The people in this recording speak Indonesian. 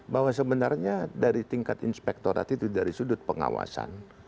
bahwa sebenarnya dari tingkat inspektorat itu dari sudut pengawasan